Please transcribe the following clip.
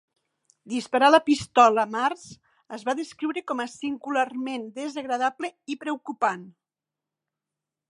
Disparar la pistola Mars es va descriure com a "singularment desagradable i preocupant".